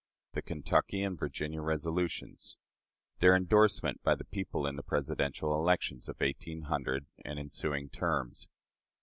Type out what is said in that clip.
The Kentucky and Virginia Resolutions. Their Endorsement by the People in the Presidential Elections of 1800 and Ensuing Terms.